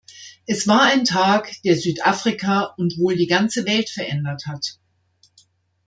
Es war ein Tag, der Südafrika und wohl die ganze Welt verändert hat.